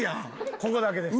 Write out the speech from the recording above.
ここだけです。